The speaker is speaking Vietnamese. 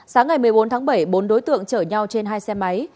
sáng ngày một mươi bốn tháng bảy bốn đối tượng chở nhau trên hai xe máy